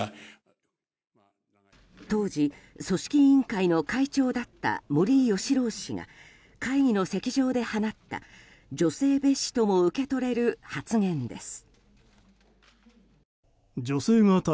当時、組織委員会の会長だった森喜朗氏が会議の席上で放った女性蔑視とも受け取れる発言です。